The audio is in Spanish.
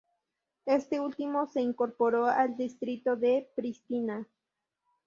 Este último se incorporó al Distrito de Pristina.